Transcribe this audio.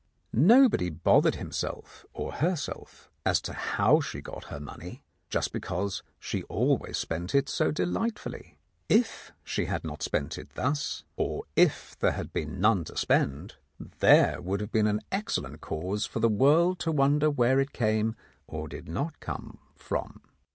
Nobody bothered himself or herself as to how she got her money, just because she always spent it so delightfully. If she had not spent it thus, or if there had been none to spend, there would have been excellent cause for the world to wonder where it came (or did not come) from.